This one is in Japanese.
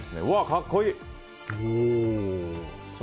格好いい。